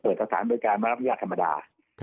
ก็ตรวจสถานบริการมารับอนักธรรมดา